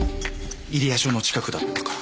入谷署の近くだったから。